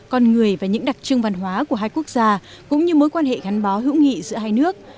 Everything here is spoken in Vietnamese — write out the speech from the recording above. con người và những đặc trưng văn hóa của hai quốc gia cũng như mối quan hệ gắn bó hữu nghị giữa hai nước